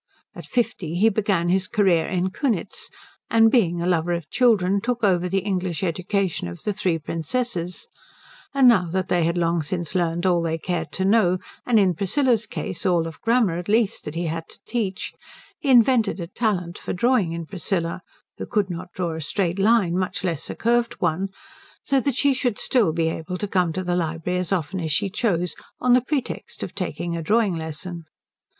At fifty he began his career in Kunitz, and being a lover of children took over the English education of the three princesses; and now that they had long since learned all they cared to know, and in Priscilla's case all of grammar at least that he had to teach, he invented a talent for drawing in Priscilla, who could not draw a straight line, much less a curved one, so that she should still be able to come to the library as often as she chose on the pretext of taking a drawing lesson.